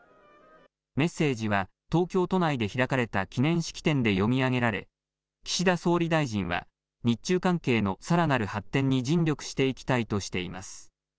メッセージは東京都内で開かれた記念式典で読み上げられ岸田総理大臣は日中関係のさらなる発展に尽力していきたいとしています。